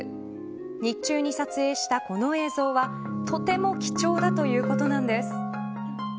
日中に撮影したこの映像はとても貴重だということなんです。